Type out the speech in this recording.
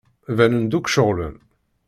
Banen-d akk ceɣlen.